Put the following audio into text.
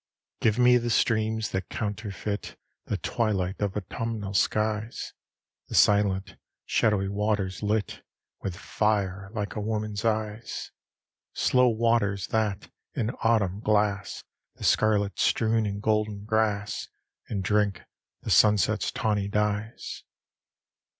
XLII Give me the streams, that counterfeit The twilight of autumnal skies; The silent, shadowy waters, lit With fire like a woman's eyes! Slow waters that, in autumn, glass The scarlet strewn and golden grass, And drink the sunset's tawny dyes.